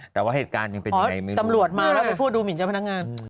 แต่ว่าเหตุการณ์ยังเป็นยังไงไม่รู้ตำรวจมาแล้วไปพูดดูหมินเจ้าพนักงาน